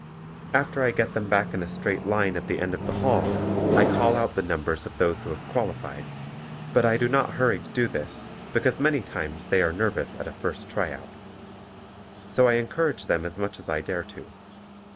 After I get them back in a straight line at the end of the hall I call out the numbers of those who have qualified, but I do not hurry to do this because many times they are nervous at a first tryout. So I encourage them as much as I dare to.